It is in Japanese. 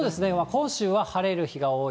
今週は晴れる日が多い。